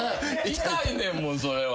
痛いねんもんそれは。